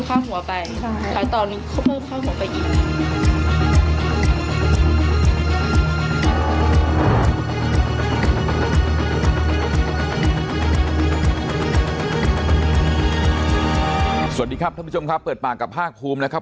สวัสดีครับท่านผู้ชมครับเปิดปากกับภาคภูมินะครับ